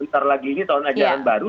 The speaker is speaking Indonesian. sebentar lagi ini tahun ajaran baru